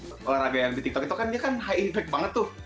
olahraga yang di tiktok itu kan high effect banget tuh